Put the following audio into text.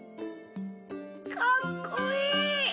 かっこいい！